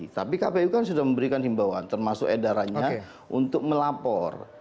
tapi kpu kan sudah memberikan himbauan termasuk edarannya untuk melapor